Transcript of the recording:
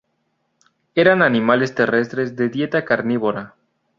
Eran animales terrestres de dieta carnívora.